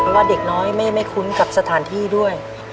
เพราะว่าเด็กน้อยไม่คุ้นกับสถานที่ด้วย